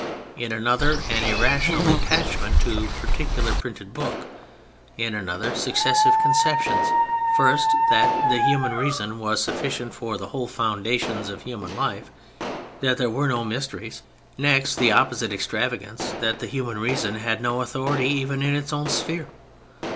In another an irrational attachment to a particular printed book. In another successive conceptions: first, that the human reason was sufficient for the whole foundations of human life—that there were no mysteries: next, the opposite extravagance that the human reason had no authority even in its own sphere.